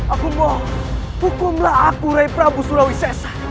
aku mohon hukumlah aku rai prabu sriwisesa